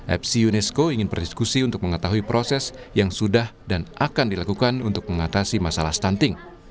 epsi unesco ingin berdiskusi untuk mengetahui proses yang sudah dan akan dilakukan untuk mengatasi masalah stunting